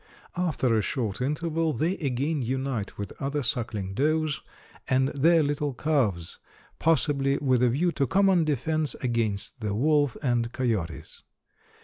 After a short interval they again unite with other suckling does and their little calves, possibly with a view to common defense against the wolf and coyotes.